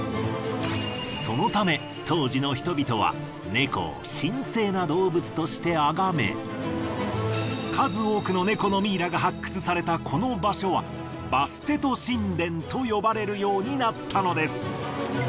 そのため当時の人々は猫を神聖な動物としてあがめ数多くの猫のミイラが発掘されたこの場所はバステト神殿と呼ばれるようになったのです。